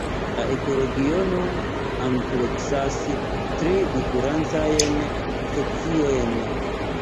La ekoregiono ampleksas tri diferencajn sekciojn.